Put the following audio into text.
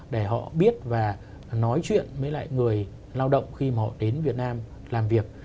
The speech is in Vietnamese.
để họ biết và nói chuyện với lại người lao động khi mà họ đến việt nam làm việc